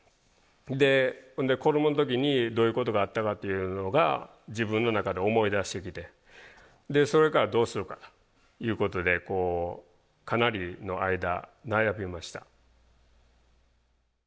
でほんで子どもの時にどういうことがあったかっていうのが自分の中で思い出してきてそれからどうするかいうことでこうかなりの間悩みました。